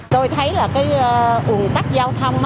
tôi thấy là cái ủng tắc giao thông